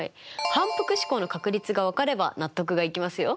反復試行の確率が分かれば納得がいきますよ。